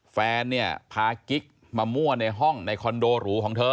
แฟนเนี่ยพากิ๊กมามั่วในห้องในคอนโดหรูของเธอ